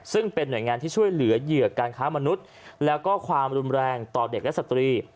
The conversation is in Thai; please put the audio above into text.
ซึ่งเป็นหน่วยงานที่ช่วยเหลือเหยื่อการค้ามนุษย์แล้วก็ความรุนแรงต่อเด็กและสตรี